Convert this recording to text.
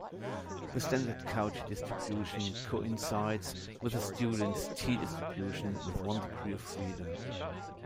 The standard Cauchy distribution coincides with the Student's "t"-distribution with one degree of freedom.